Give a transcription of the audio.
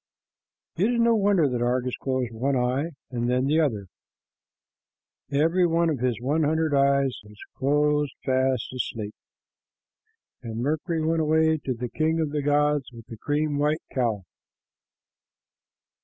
It is no wonder that Argus closed one eye and then the other. Every one of his hundred eyes was fast asleep, and Mercury went away to the king of the gods with the cream white cow.